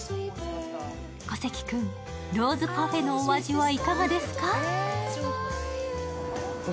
小関君、ローズパフェのお味はいかがですか？